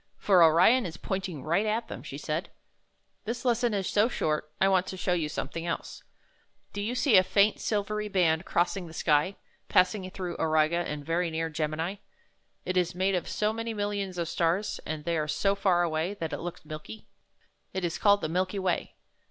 "For Orion is pointing right at them," she said. "This lesson is so short, I want to show you something else. Do you see a faint, silvery band crossing the sky, passing through Auriga, and very near Gemini? It is made of so many millions of stars, and they are so far away, that it looks milky. It is called the Milky Way.